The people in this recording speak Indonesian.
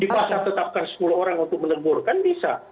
di pasar tetapkan sepuluh orang untuk menegur kan bisa